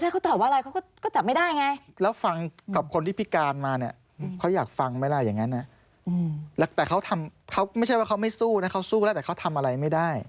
คือมันห่อเหี่ยวใช่ไหม